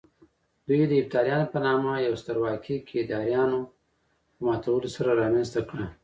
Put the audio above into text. دوی د هېپتاليانو په نامه يوه سترواکي د کيداريانو په ماتولو سره رامنځته کړه